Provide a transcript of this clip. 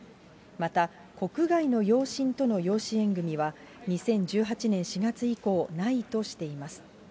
また、国外の養親との養子縁組みは２０１８年４月以降、ないとしています。